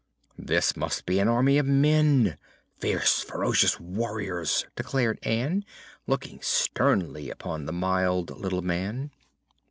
"This must be an army of men fierce, ferocious warriors," declared Ann, looking sternly upon the mild little man.